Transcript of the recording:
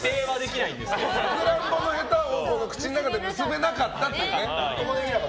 サクランボのへたを口の中で結べなかったという。